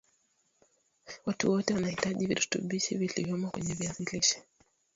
Watu wote wanahitaji virutubishi vilivyomo kwenye viazi lishe